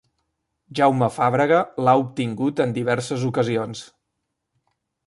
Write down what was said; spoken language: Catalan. Jaume Fàbrega l'ha obtingut en diverses ocasions.